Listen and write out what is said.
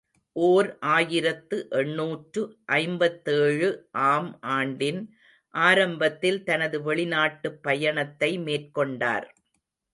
ஓர் ஆயிரத்து எண்ணூற்று ஐம்பத்தேழு ஆம் ஆண்டின் ஆரம்பத்தில் தனது வெளிநாட்டுப் பயணத்தை மேற்கொண்டார்.